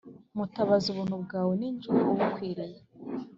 Mutabazi Ubuntu bwawe nijywe ubukwiriye